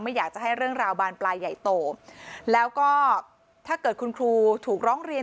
อยากจะให้เรื่องราวบานปลายใหญ่โตแล้วก็ถ้าเกิดคุณครูถูกร้องเรียน